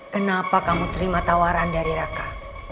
kenapa kamu terima tawaran dari raka